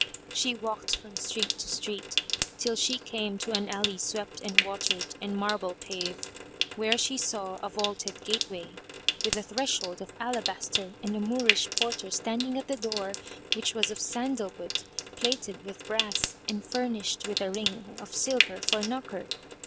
She walked from street to street, till she came to an alley swept and watered and marble paved, where she saw a vaulted gateway, with a threshold of alabaster, and a Moorish porter standing at the door, which was of sandal wood plated with brass and furnished with a ring of silver for knocker.